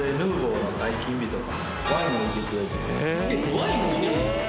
ワインも置いてるんですか？